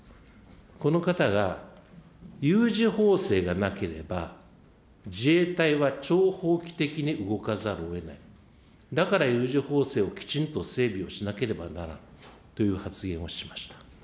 この方が、有事法制がなければ自衛隊は超法規的に動かざるをえない、だから有事法制をきちんと整備をしなければならんという発言をしました。